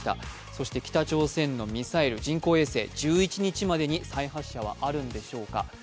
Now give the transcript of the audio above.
そして北朝鮮のミサイル、人工衛星１１日までに再発射はあるんでしょうか。